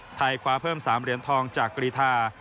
คว้าเพิ่ม๓เหรียญทองจากกรีธา